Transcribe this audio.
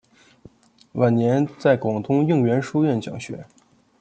晚年在广东应元书院讲学。